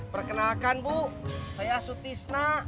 perkenalkan bu saya su tisna